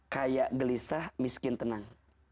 kaya gelisah miskin tenang